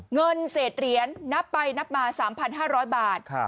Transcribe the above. เงินเศษเหรียญนับไปนับมาสามพันห้าร้อยบาทครับ